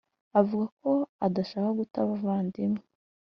avugako adashaka guta abavandimwe